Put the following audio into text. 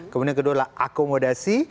kemudian kedua adalah akomodasi